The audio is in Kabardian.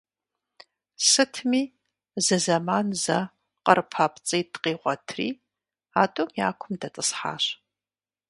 Сытми зызэман зэ къыр папцӀитӀ къигъуэтри, а тӀум яку дэтӀысхьащ.